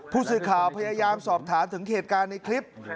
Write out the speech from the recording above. ผู้สื่อข่าวพยายามสอบถามถึงเหตุการณ์ในคลิป